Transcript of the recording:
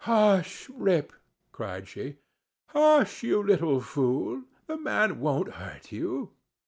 "Hush, Rip," cried she, "hush, you little fool; the old man won't hurt you."